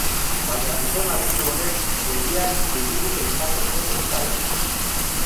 Baina gizon aditu honek gehiegi tenkatu zuen uztaia.